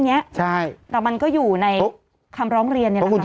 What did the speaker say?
และก็ให้กับลูกน้องกับทีมงาน